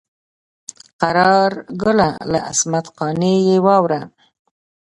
قرار ګله له عصمت قانع یې واوره.